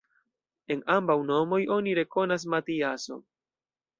En ambaŭ nomoj oni rekonas: Matiaso.